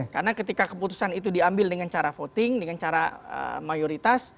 karena ketika keputusan itu diambil dengan cara voting dengan cara mayoritas